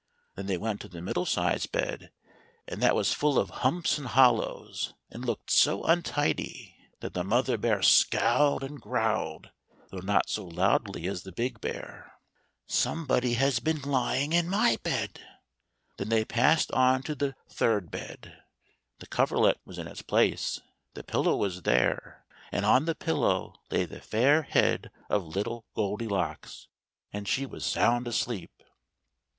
Then they went to the middle sized bed, and that was full of 119 THE THREE BEARS. humps and hollows, and looked so untidy that the mother bear scowled and growled — though not so loudly as the big bear :" SOMEBODY HAS BEEN LYING IN MY BED !" Then they passed on to the third bed. The coverlet was in its place, the pillow was there, and on the pillow lay the fair head of little Goldilocks. And she was sound asleep.